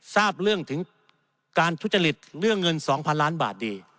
ทราบเรื่องถึงการทุจริตเรื่องเงิน๒๐๐๐ล้านบาทดี